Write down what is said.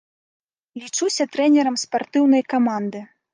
Лічуся трэнерам спартыўнай каманды.